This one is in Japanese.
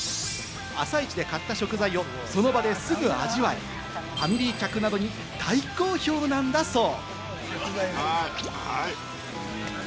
朝市で買った食材をその場ですぐ味わえ、ファミリー客などに大好評なんだそう。